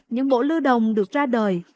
những bộ lưu đồng được ra đời